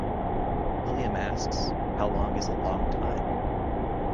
Williams asks, "How long is a long time?".